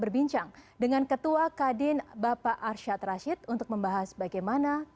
bisnis untuk melatakan